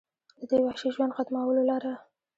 د دې وحشي ژوند ختمولو لره